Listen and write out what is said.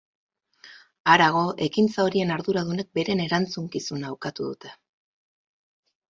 Harago, ekintza horien arduradunek beren erantzukizuna ukatu dute.